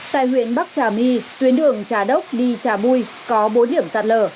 tại huyện bắc trà my tuyến đường trà đốc đi trà bui có bốn điểm sạt lở